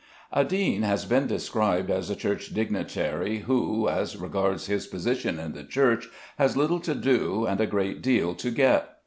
A dean has been described as a Church dignitary who, as regards his position in the Church, has little to do and a good deal to get.